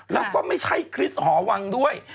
แล้วก็ไม่ใช่คริสต์หอวังด้วย